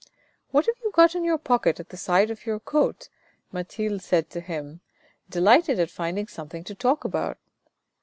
" What have you got in your pocket at the side of your coat ?" Mathilde said to him, delighted at finding something to talk about.